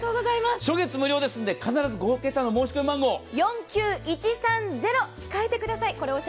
初月無料ですので、必ず５桁の申し込み番号、４９１３０を控えてください。